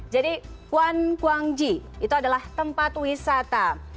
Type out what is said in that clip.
jadi kwan kwang ji itu adalah tempat wisata